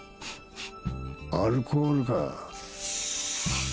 アルコールか。